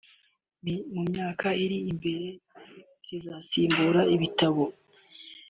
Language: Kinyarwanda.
mu myaka iri imbere zizasimbura ibitabo